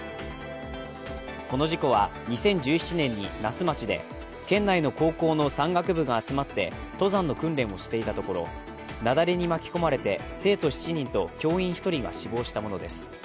この事故は２０１７年に那須町で県内の高校の山岳部が集まって登山の訓練をしていたところ、雪崩に巻き込まれて生徒７人と教員１人が死亡したものです。